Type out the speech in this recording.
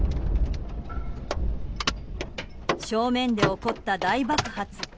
正面で起こった大爆発。